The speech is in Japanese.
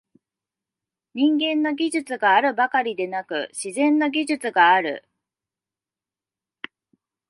人間の技術があるばかりでなく、「自然の技術」がある。